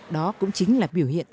đó cũng chính là biểu hiện này